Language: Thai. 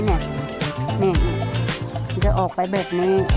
นี่มันจะออกไปแบบนี้